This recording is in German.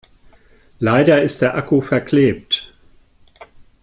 Leider ist der Akku verklebt.